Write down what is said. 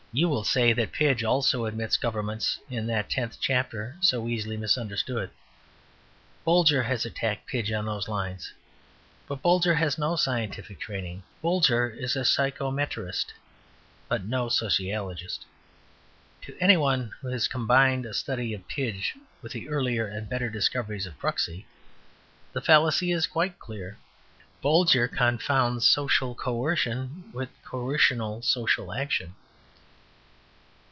"You will say that Pidge also admits government in that tenth chapter so easily misunderstood. Bolger has attacked Pidge on those lines. But Bolger has no scientific training. Bolger is a psychometrist, but no sociologist. To any one who has combined a study of Pidge with the earlier and better discoveries of Kruxy, the fallacy is quite clear. Bolger confounds social coercion with coercional social action."